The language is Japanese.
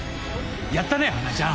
やったね花恵ちゃん！